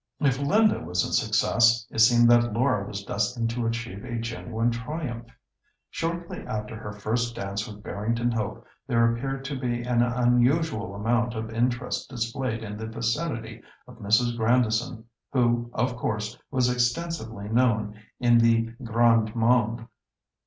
If Linda was a success, it seemed that Laura was destined to achieve a genuine triumph. Shortly after her first dance with Barrington Hope there appeared to be an unusual amount of interest displayed in the vicinity of Mrs. Grandison, who, of course, was extensively known in the grande monde.